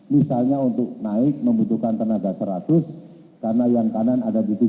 misalnya untuk naik membutuhkan tenaga seratus karena yang kanan ada di tiga puluh